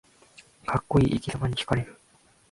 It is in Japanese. かっこいい生きざまにひかれる